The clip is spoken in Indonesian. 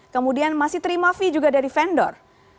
kemudian masih terima fee juga dari vendor